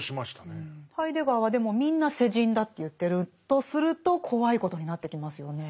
ハイデガーはでもみんな世人だって言ってるとすると怖いことになってきますよね。